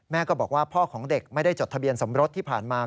ก็บอกว่าพ่อของเด็กไม่ได้จดทะเบียนสมรสที่ผ่านมา